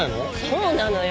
そうなのよ。